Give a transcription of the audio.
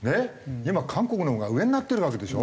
今韓国のほうが上になってるわけでしょ？